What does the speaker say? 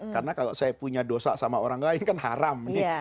karena kalau saya punya dosa sama orang lain kan haram nih